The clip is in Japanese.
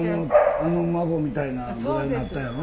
あの孫みたいな具合になったやろ。